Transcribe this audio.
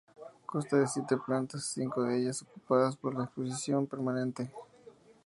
Consta de siete plantas, cinco de ellas ocupadas por la exposición permanente.